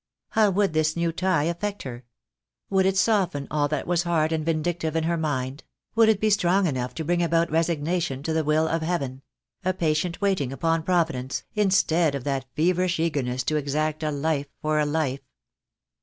How would this new tie affect her? Would it soften all that was hard and vindictive in her mind — would it be strong enough to bring about resignation to the will of Heaven — a patient waiting upon Providence, instead of that feverish eager ness to exact a life for a life?